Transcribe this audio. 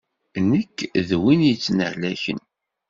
Nekk d win yettnehlaken.